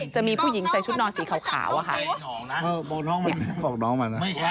จะมีผู้หญิงใส่ชุดนอนสีขาวอะค่ะ